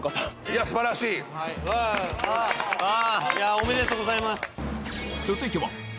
おめでとうございます。